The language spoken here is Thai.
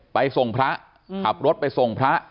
ไปส่งพระขับรถไปส่งพระ